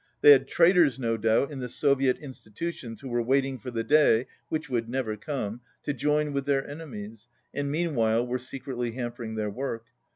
They had traitors, no doubt, in the Soviet institutions who were waiting for the day (which would never come) to join with their enemies, and meanwhile were secretly hampering their work.